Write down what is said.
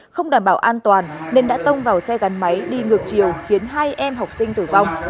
không đảm bảo an toàn nên đã tông vào xe gắn máy đi ngược chiều khiến hai em học sinh tử vong